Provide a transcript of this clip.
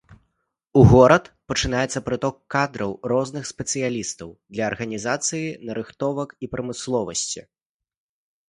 У горад пачынаецца прыток кадраў, розных спецыялістаў для арганізацыі нарыхтовак і прамысловасці.